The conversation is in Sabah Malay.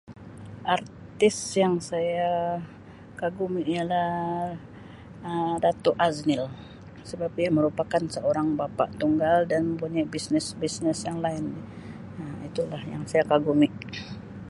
Artis yang saya kagumi ialah Um Datuk Aznil sebab ia merupakan seorang bapa tunggal dan mempunyai bisnes-bisnes yang lain Um itu lah yang saya kagumi.